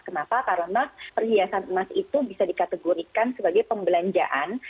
kenapa karena perhiasan emas itu bisa dikategorikan sebagai pembelanjaan